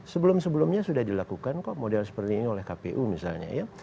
sebelum sebelumnya sudah dilakukan kok model seperti ini oleh kpu misalnya ya